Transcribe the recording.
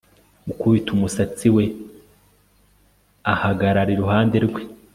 gukubita umusatsi we ahagarara iruhande rwe